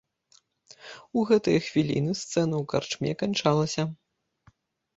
У гэтыя хвіліны сцэна ў карчме канчалася.